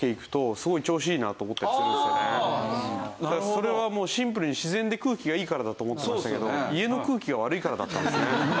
それはもうシンプルに自然で空気がいいからだと思ってましたけど家の空気が悪いからだったんですね。